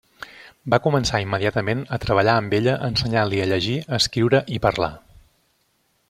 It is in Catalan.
Va començar immediatament a treballar amb ella ensenyant-li a llegir, escriure i parlar.